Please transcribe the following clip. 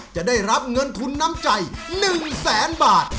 จะได้รับเงินทุนน้ำใจ๑แสนบาท